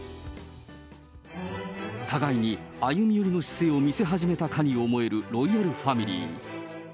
互いに歩み寄りの姿勢を見せ始めたかに思えるロイヤルファミリー。